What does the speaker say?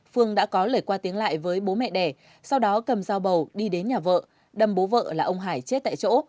phương đã có lời qua tiếng lại với bố mẹ đẻ sau đó cầm dao bầu đi đến nhà vợ đâm bố vợ là ông hải chết tại chỗ